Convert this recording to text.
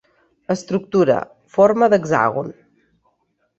Estructura: forma d'hexàgon.